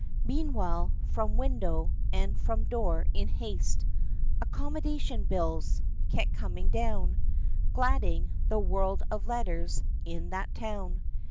Meanwhile, from window, and from door, in haste "Accommodation bills" kept coming down, Gladding "the world of letters" in that town.